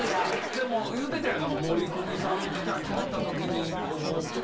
でも言うてたやん。